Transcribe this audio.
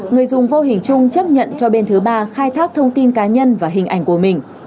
người dùng vô hình chung chấp nhận cho bên thứ ba khai thác thông tin cá nhân và hình ảnh của mình